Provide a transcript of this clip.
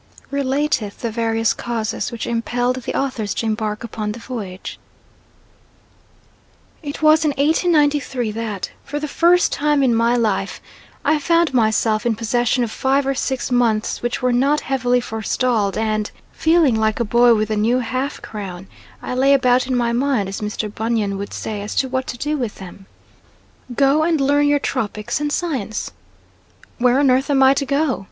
Relateth the various causes which impelled the author to embark upon the voyage. It was in 1893 that, for the first time in my life, I found myself in possession of five or six months which were not heavily forestalled, and feeling like a boy with a new half crown, I lay about in my mind, as Mr. Bunyan would say, as to what to do with them. "Go and learn your tropics," said Science. Where on earth am I to go?